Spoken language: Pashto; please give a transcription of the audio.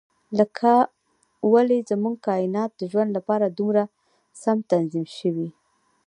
لکه ولې زموږ کاینات د ژوند لپاره دومره سم تنظیم شوي.